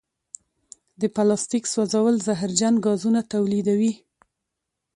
د پلاسټیک سوځول زهرجن ګازونه تولیدوي.